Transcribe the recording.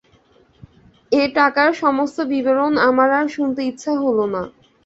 এ টাকার সমস্ত বিবরণ আমার আর শুনতে ইচ্ছে হল না।